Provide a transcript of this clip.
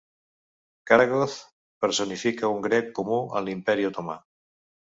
Karagoz personifica un grec comú en l'imperi Otomà.